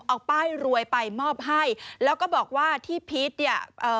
เอาป้ายรวยไปมอบให้แล้วก็บอกว่าที่พีชเนี่ยเอ่อ